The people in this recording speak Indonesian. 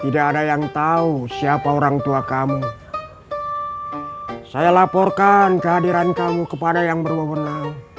tidak ada yang tahu siapa orang tua kamu saya laporkan kehadiran kamu kepada yang berwenang